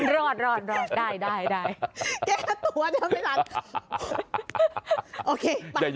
รอดได้แก้ตัวทำให้รัก